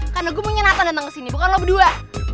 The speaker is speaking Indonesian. karena gue punya nathan datang ke sini bukan lo berdua